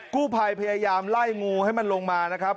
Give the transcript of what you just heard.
กู้ภัยพยายามไล่งูให้มันลงมานะครับ